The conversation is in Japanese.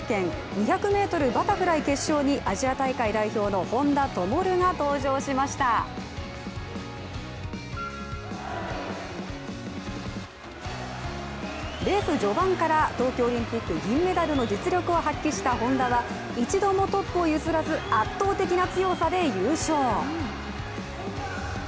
２００ｍバタフライ決勝にレース序盤から東京オリンピック銀メダルの実力を発揮した本多は１度もトップを譲らず、圧倒的な強さで優勝。